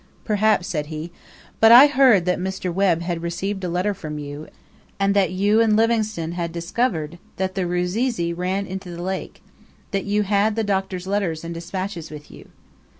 "Perhaps," said he; "but I heard that Mr. Webb had received a letter from you, and that you and Livingstone had discovered that the Rusizi ran into the lake that you had the Doctor's letters and despatches with you."